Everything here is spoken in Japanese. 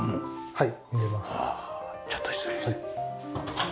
はい。